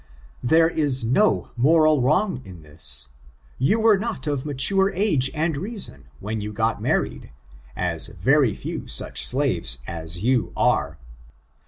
There is no moral wrong in this. You were not of mature age and reason when you got married, as very few such slaves as you are.